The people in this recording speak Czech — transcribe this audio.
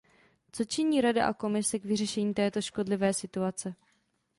Co činí Rada a Komise k vyřešení této škodlivé situace?